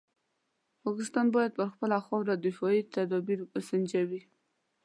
پاکستان باید پر خپله خاوره دفاعي تدابیر وسنجوي.